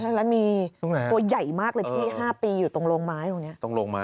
ถ่าวไทยรัฐมีตัวใหญ่มากเลยพี่ตรงโรงไม้๕ปีอยู่ตรงโรงไม้ตรงนี้